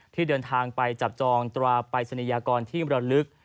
ที่เดินทางไปจับจองตราปรายศนียากรที่มรลึก